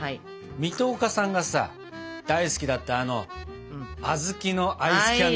水戸岡さんがさ大好きだったあのあずきのアイスキャンデー。